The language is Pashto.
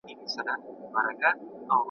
لکه اوښکه بې هدفه رغړېدمه ,